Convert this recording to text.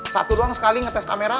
satu ruang sekali ngetes kamera